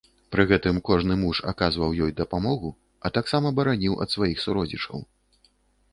Пры гэтым кожны муж аказваў ёй дапамогу, а таксама бараніў ад сваіх суродзічаў.